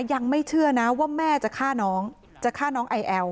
ยังไม่เชื่อนะว่าแม่จะฆ่าน้องจะฆ่าน้องไอแอล